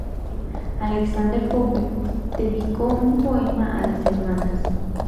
Alexander Pope dedicó un poema a las hermanas.